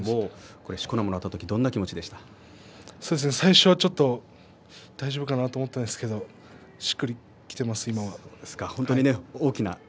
しこ名をもらった時最初は大丈夫かな？と思ったんですけれど今はしっくりときています。